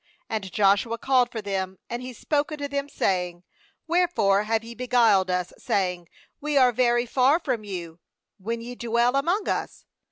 ^And Joshua called for them, and he spoke unto them, saying: 'Wherefore have ye beguiled us, saying: We are very far from you, when ye dwell among us?